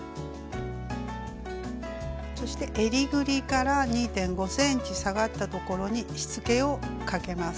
そしてえりぐりから２．５ｃｍ下がったところにしつけをかけます。